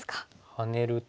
ハネると。